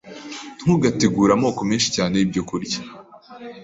Ntugategure amoko menshi cyane y’ibyokurya